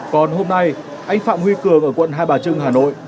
còn hôm nay anh phạm huy cường ở quận hai bà trưng hà nội